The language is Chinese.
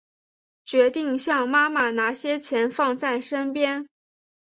决定向妈妈拿些钱放在身边